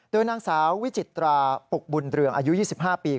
โดยนางสาววิจิตราปุกบุญเรืองอายุ๒๕ปี